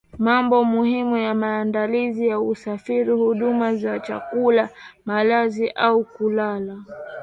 Mambo muhimu ya maandalizi ya usafiri huduma za chakula malazi au kulala